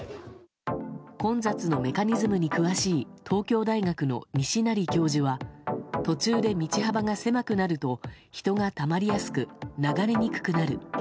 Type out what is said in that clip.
混雑のメカニズムに詳しい東京大学の西成教授は途中で道幅が狭くなると人がたまりやすく流れにくくなる。